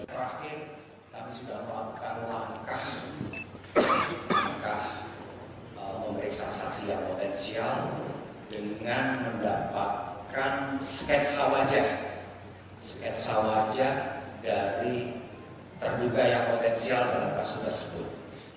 sketsa wajah dari terduga yang potensial dalam kasus tersebut